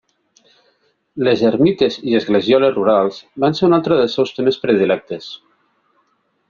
Les ermites i esglesioles rurals van ser un altre dels seus temes predilectes.